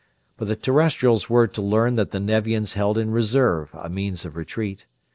But the Terrestrials were to learn that the Nevians held in reserve a means of retreat.